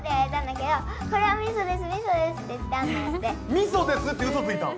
「みそです」ってうそついたん？